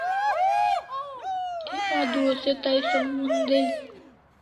Ek adua o se tai som mon del